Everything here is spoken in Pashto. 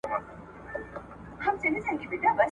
موږ به ولي په دې غم اخته کېدلای ,